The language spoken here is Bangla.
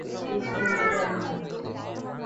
কিছুই জানি না।